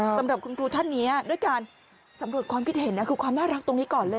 สำหรับคุณครูท่านนี้ด้วยการสำรวจความคิดเห็นนะคือความน่ารักตรงนี้ก่อนเลย